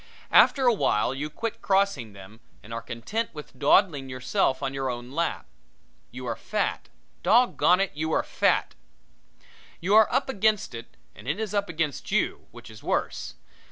After a while you quit crossing them and are content with dawdling yourself on your own lap. You are fat! Dog gone it you are fat! You are up against it and it is up against you, which is worse.